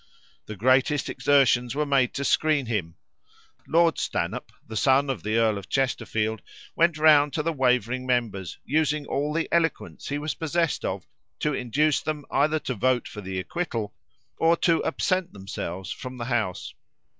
The greatest exertions were made to screen him. Lord Stanhope, the son of the Earl of Chesterfield, went round to the wavering members, using all the eloquence he was possessed of to induce them either to vote for the acquittal, or to absent themselves from the House.